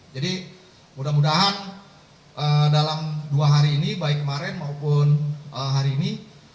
jadi mudah mudahan dalam dua hari ini baik kemarin maupun hari ini